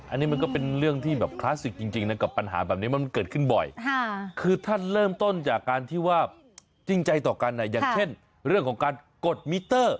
อันนี้มันก็เป็นเรื่องที่แบบคลาสสิกจริงนะกับปัญหาแบบนี้มันเกิดขึ้นบ่อยคือท่านเริ่มต้นจากการที่ว่าจริงใจต่อกันอย่างเช่นเรื่องของการกดมิเตอร์